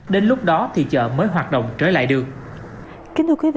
đến lúc đó thì chợ mới hoạt động trở lại được